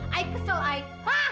ayah kesel ayah